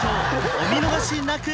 お見逃しなく！